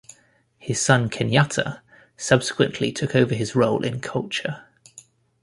His son Kenyatta subsequently took over his role in Culture.